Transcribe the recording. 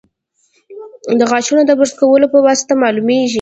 د غاښونو د برس کولو په واسطه معلومېږي.